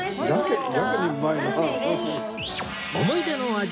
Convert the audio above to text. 思い出の味